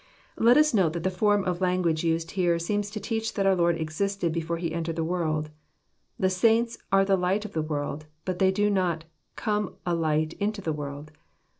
Let us note that the form of language used here seems to teach that our Lord existed before He entered the world. The saints •* are the light of the world," but they do not come a light into the world."